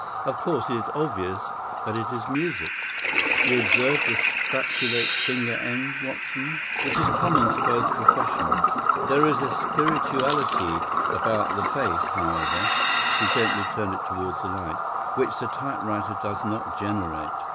Of course, it is obvious that it is music. You observe the spatulate finger end, Watson, which is common to both professions? There is a spirituality about the face, however"—he gently turned it towards the light—"which the typewriter does not generate.